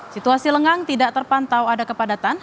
situasi lengang tidak terpantau ada kepadatan